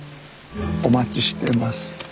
お待ちしてます。